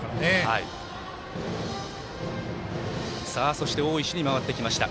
バッター大石に回ってきました。